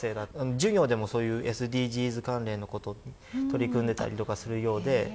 授業でもそういうＳＤＧｓ関連のことに取り組んでたりとかするようで。